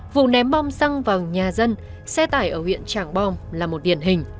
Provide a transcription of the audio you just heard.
vụ ném bom xăng vào nhà dân xe tải ở huyện trảng bom là một điển hình